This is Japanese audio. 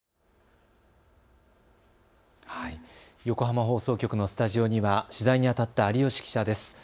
横浜放送局のスタジオには取材にあたった有吉記者です。